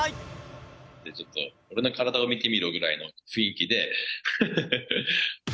俺の体を見てみろぐらいの雰囲気で。